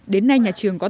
đến nay nhà trường có